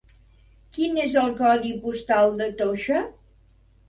Quin és el codi postal de Toixa?